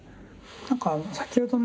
何か先ほどね